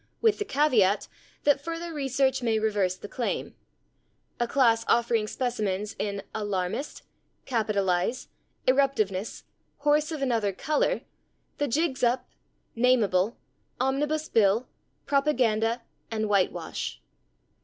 with the /caveat/ that further research may reverse the claim" a class offering specimens in /alarmist/, /capitalize/, /eruptiveness/, /horse of another colour/ (/sic!/), /the jig's up/, /nameable/, /omnibus bill/, /propaganda/ and /whitewash